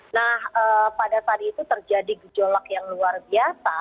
nah pada saat itu terjadi gejolak yang luar biasa